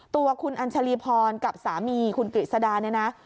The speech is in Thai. ตัวคุณอัญชาลีพรกับสามีคุณกฤษดาเนี่ยนะ